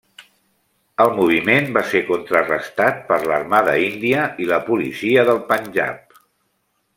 El moviment va ser contrarestat per l'Armada Índia i la Policia del Panjab.